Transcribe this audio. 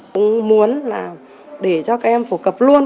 cũng muốn là để cho các em phổ cập luôn